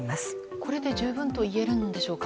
これで十分といえるんでしょうか？